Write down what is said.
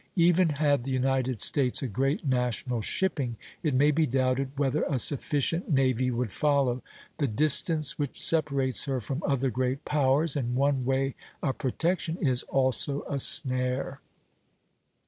Even had the United States a great national shipping, it may be doubted whether a sufficient navy would follow; the distance which separates her from other great powers, in one way a protection, is also a snare.